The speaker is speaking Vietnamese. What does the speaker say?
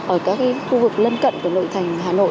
ở các khu vực lân cận của nội thành hà nội